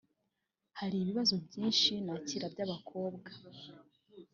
hari ibibazo byinshi nakira by'abakobwa